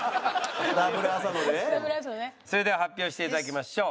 それでは発表して頂きましょう。